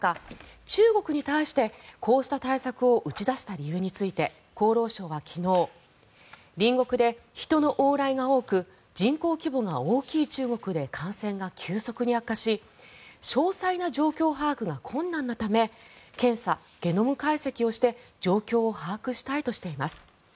中国に対して、こうした対策を打ち出した理由について厚労省は昨日隣国で人の往来が多く人口規模が大きい中国で感染が急速に悪化し詳細な状況把握が困難なため検査・ゲノム解析をして状況を把握したいとしています。